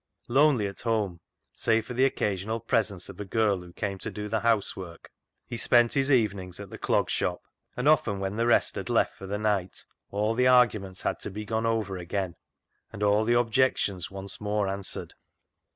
Lonely at home, save for the occasional presence of a girl who came to do the housework, he spent his evenings at the Clog Shop, and often when the rest had left for the night all the arguments had to be gone over again, and all the objections once more answered.